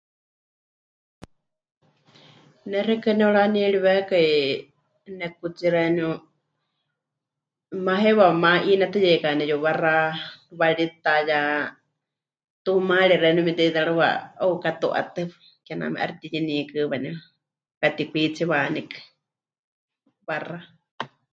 Ne xeikɨ́a nepɨranieriwékai, nekutsi xeeníu, 'umá heiwa ma'inetɨyeikani yuwaxa warita ya tuumari xeeníu memɨte'itérɨwa heukatu'átɨ kename 'aixɨ mɨtiyɨníkɨ waníu, mɨkatikwitsiwanikɨ waxa.